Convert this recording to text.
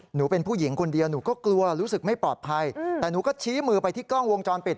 หนูเป็นผู้หญิงคนเดียวหนูก็กลัวรู้สึกไม่ปลอดภัยแต่หนูก็ชี้มือไปที่กล้องวงจรปิด